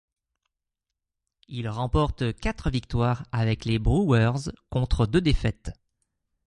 Il remporte quatre victoires avec les Brewers, contre deux défaites.